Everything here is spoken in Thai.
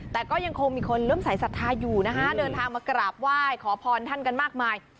แต่ก็ยังคงมีคนเริ่มสายศรัทธาอยู่นะฮะเดินทางมากราบไหว้ขอพรท่านกันมากมาย